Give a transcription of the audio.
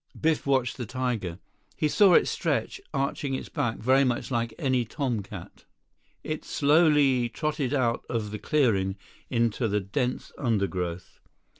Biff watched the tiger. He saw it stretch, arching its back very much like any tomcat. It slowly trotted out of the clearing into the dense undergrowth.